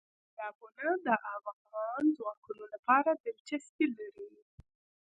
سیلابونه د افغان ځوانانو لپاره دلچسپي لري.